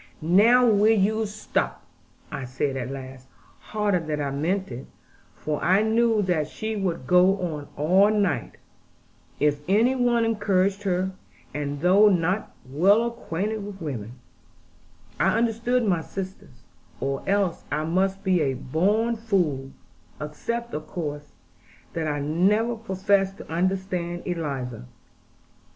'Now will you stop?' I said at last, harder than I meant it, for I knew that she would go on all night, if any one encouraged her: and though not well acquainted with women, I understood my sisters; or else I must be a born fool except, of course, that I never professed to understand Eliza.